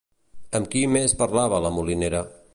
Amb qui més parlava la molinera?